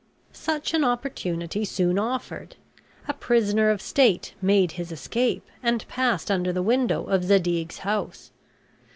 Such an opportunity soon offered. A prisoner of state made his escape, and passed under the window of Zadig's house.